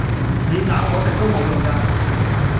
你咬我食都無用架